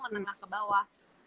menengah ke bawah